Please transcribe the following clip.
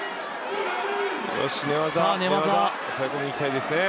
絞技、寝技、抑え込みにいきたいですね。